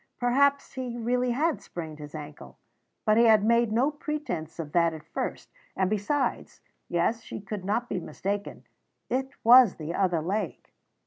Perhaps he really had sprained his ankle. But he had made no pretence of that at first, and besides, yes, she could not be mistaken, it was the other leg.